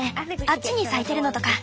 あっちに咲いてるのとか。